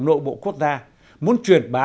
nội bộ quốc gia muốn truyền bá